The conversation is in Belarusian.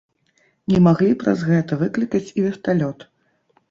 Не маглі праз гэта выклікаць і верталёт.